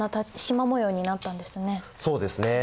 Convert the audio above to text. そうですね。